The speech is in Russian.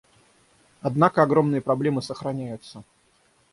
Однако огромные проблемы сохраняются.